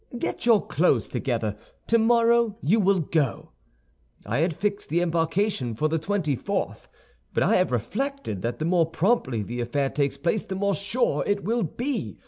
Get your clothes together. Tomorrow you will go. I had fixed the embarkation for the twenty fourth; but I have reflected that the more promptly the affair takes place the more sure it will be.